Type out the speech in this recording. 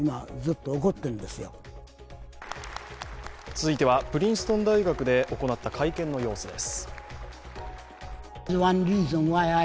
続いては、プリンストン大学で行った会見の様子です。